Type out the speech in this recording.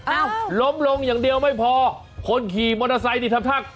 ล้มลงอย่างเดียวไม่พอคนขี่มอเตอร์ไซค์นี่ทำท่า